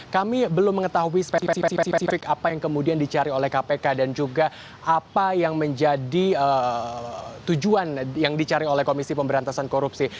kami belum mengetahui spek apa yang kemudian dicari oleh kpk dan juga apa yang menjadi tujuan yang dicari oleh komisi pemberantasan korupsi